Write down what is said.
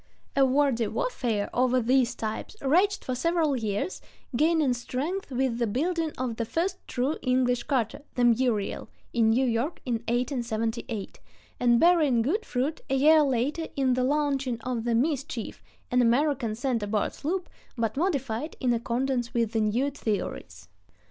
A wordy warfare over these types raged for several years, gaining strength with the building of the first true English cutter, the Muriel, in New York in 1878, and bearing good fruit a year later in the launching of the Mischief, an American center board sloop, but modified in accordance with the new theories.